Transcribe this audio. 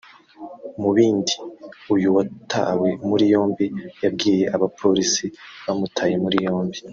Mu bindi uyu watawe muri yombi yabwiye abapolisi bamutaye muri yombi